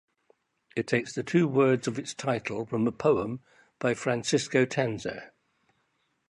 It takes the two words of its title from a poem by Francisco Tanzer.